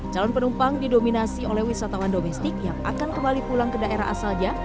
calon penumpang didominasi oleh wisatawan domestik yang akan kembali pulang ke daerah asalnya